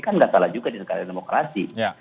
kan tidak salah juga di sekalian demokrasi